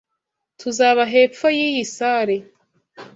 Tuzaba hepfo yiyi salle.